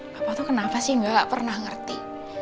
bapak tuh kenapa sih gak pernah ngerti